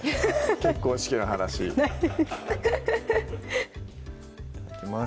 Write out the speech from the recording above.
結婚式の話いただきます